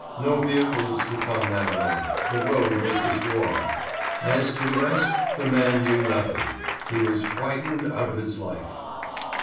No vehicles could come that way; the road was destroyed. As to the rest, the man knew nothing; he was frightened out of his life.